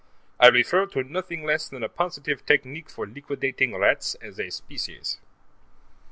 I refer to nothing less than a positive technique for liquidating rats as a species.